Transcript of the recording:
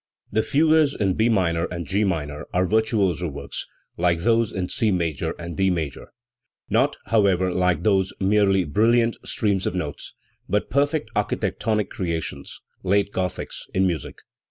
* The fugues in B minor and *G minor are virtuoso works, like those in C major and D major, not, however, like those, merely brilliant streams of notes, but perfect archi tectonic creations, late Gothics in music.